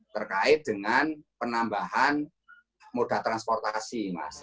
terkait dengan penambahan modal transportasi